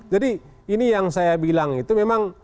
jadi ini yang saya bilang itu memang